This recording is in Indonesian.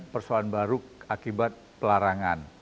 persoalan baru akibat pelarangan